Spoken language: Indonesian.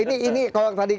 ini kalau tadi